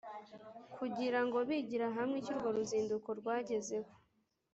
kugira ngo bigira hamwe icyo urwo ruzinduko rwagezeho.